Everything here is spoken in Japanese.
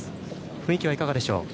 雰囲気はいかがでしょう？